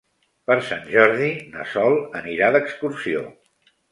Per Sant Jordi na Sol anirà d'excursió.